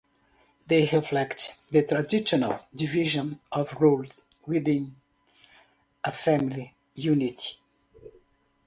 They reflect the traditional division of roles within a family unit.